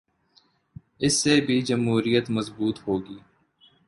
اس سے بھی جمہوریت مضبوط ہو گی۔